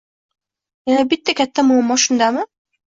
Yana bir katta muammo shundami?